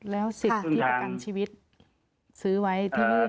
แล้วสิทธิ์ที่ประกันชีวิตซื้อไว้ที่นู่น